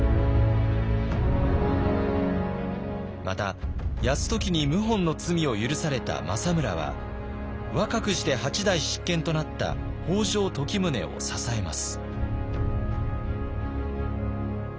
また泰時に謀反の罪を許された政村は若くして８代執権となった北条時宗を支えます。